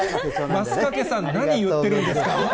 升掛さん何言ってるんですか。